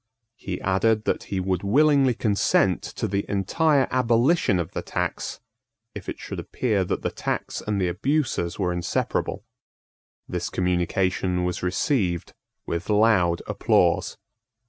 He added that he would willingly consent to the entire abolition of the tax if it should appear that the tax and the abuses were inseparable. This communication was received with loud applause.